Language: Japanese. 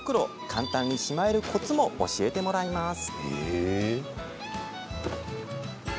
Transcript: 簡単にしまえるコツも教えてもらえます。